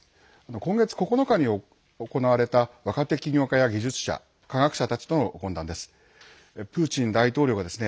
今月９日に行われた若手起業家や技術者、科学者たちとの懇談です。